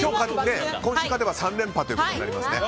今週勝てば３連覇ということになりますね。